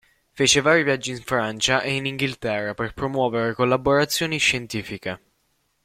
Fece vari viaggi in Francia e in Inghilterra per promuovere collaborazioni scientifiche.